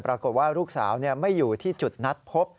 ปรากฏว่าลูกสาวไม่อยู่ที่จุดนัดพบ